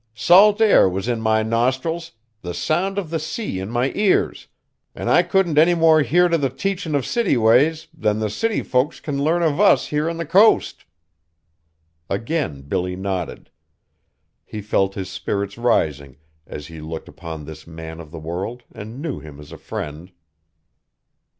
Salt air was in my nostrils, the sound of the sea in my ears, an' I couldn't any more hear t' the teachin' of city ways, than the city folks can learn of us here on the coast." Again Billy nodded. He felt his spirits rising as he looked upon this man of the world and knew him as a friend.